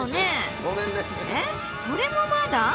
えっそれもまだ？